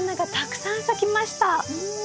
うん。